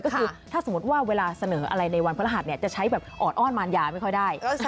ก็คือถ้าสมมติว่าเวลาเสนออะไรในวันพระรหัสจะใช้แบบออดอ้อนมารยาไม่ค่อยได้